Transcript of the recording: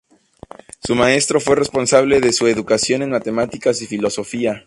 Su maestro fue el responsable de su educación en matemáticas y filosofía.